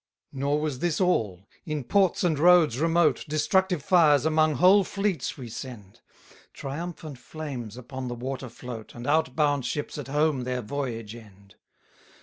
204 Nor was this all: in ports and roads remote, Destructive fires among whole fleets we send: Triumphant flames upon the water float, And out bound ships at home their voyage end.